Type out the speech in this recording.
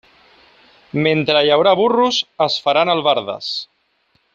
Mentre hi haurà burros es faran albardes.